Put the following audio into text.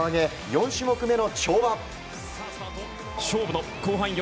４種目めの跳馬。